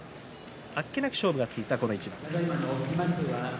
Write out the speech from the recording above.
あっけなく勝負がついたこの一番です。